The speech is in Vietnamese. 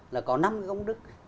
là có năm cái công đức